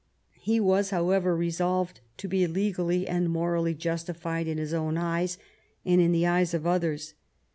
He was, however, resolved to be legally and morally justified in his own eyes and in the eyes of others.